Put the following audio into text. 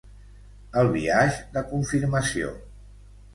el biaix de confirmació